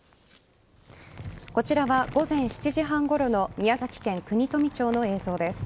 こちらは午前７時半ごろの宮崎県国富町の映像です。